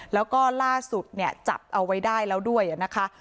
แล้วก็ล่าสุดเนี่ยจับเอาไว้ได้แล้วด้วยนะคะ